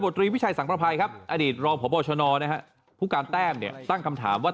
ตรีวิชัยสังพันธ์ภัยครับอดีตรองผัวโบชนผู้การแต้มตั้งคำถามว่า